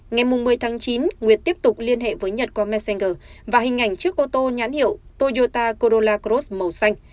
ngày một mươi tháng chín nguyệt tiếp tục liên hệ với nhật qua messenger và hình ảnh chiếc ô tô nhãn hiệu toyota codola cross màu xanh